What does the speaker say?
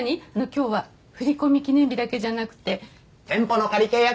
今日は振り込み記念日だけじゃなくて店舗の仮契約